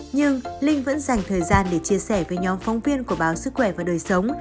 nhưng linh vẫn dành thời gian để chia sẻ với nhóm phóng viên của báo sức khỏe và đời sống